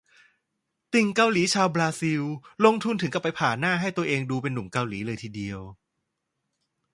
ติ่งเกาหลีชาวบราซิล ลงทุนถึงกับไปผ่าหน้าให้ตัวเองดูเป็นหนุ่มเกาหลีเลยทีเดียว